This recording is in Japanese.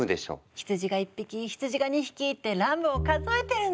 羊が１匹羊が２匹ってラムを数えてるの。